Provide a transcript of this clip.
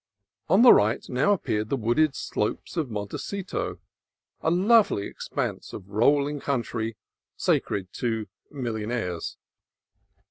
On the right now appeared the wooded slopes of Montecito, a lovely expanse of rolling country sacred to millionaires.